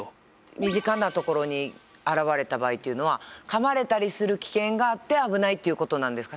身近なところに現れた場合というのは噛まれたりする危険があって危ないという事なんですか？